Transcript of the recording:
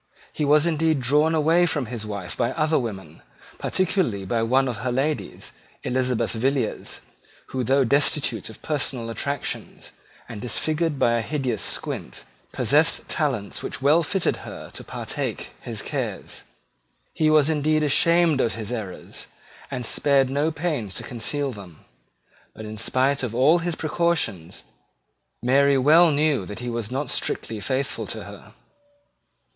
He was indeed drawn away from his wife by other women, particularly by one of her ladies, Elizabeth Villiers, who, though destitute of personal attractions, and disfigured by a hideous squint, possessed talents which well fitted her to partake his cares. He was indeed ashamed of his errors, and spared no pains to conceal them: but, in spite of all his precautions, Mary well knew that he was not strictly faithful to her.